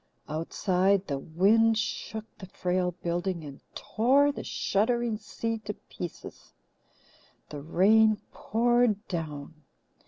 Outside, the wind shook the frail building and tore the shuddering sea to pieces. The rain poured down.